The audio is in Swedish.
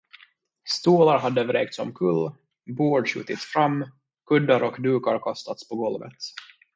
Stolar hade vräkts omkull, bord skjutits fram, kuddar och dukar kastats på golvet.